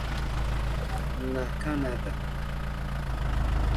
na Kanada